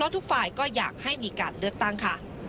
เลขาทรวมการจริงสวัสดีครับ